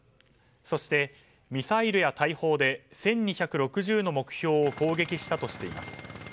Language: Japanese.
そして、ミサイルや大砲で１２６０の目標を攻撃したとしています。